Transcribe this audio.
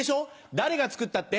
誰が作ったって？